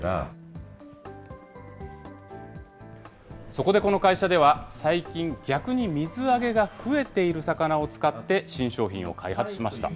そこでこの会社では、最近、逆に水揚げが増えている魚を使って新商品を開発しました。